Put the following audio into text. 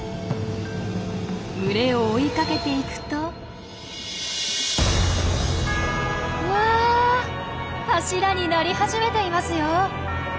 群れを追いかけていくとうわ柱になり始めていますよ！